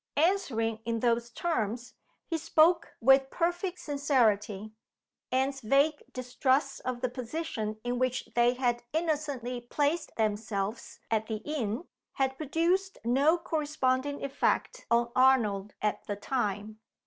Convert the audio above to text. Answering in those terms, he spoke with perfect sincerity. Anne's vague distrust of the position in which they had innocently placed themselves at the inn had produced no corresponding effect on Arnold at the time.